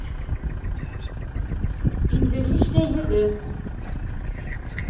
Инде нишләйһегеҙ?